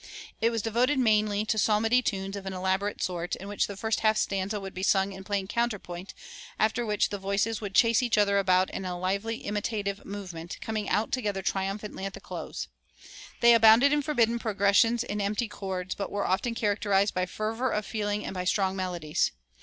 It was devoted mainly to psalmody tunes of an elaborate sort, in which the first half stanza would be sung in plain counterpoint, after which the voices would chase each other about in a lively imitative movement, coming out together triumphantly at the close. They abounded in forbidden progressions and empty chords, but were often characterized by fervor of feeling and by strong melodies.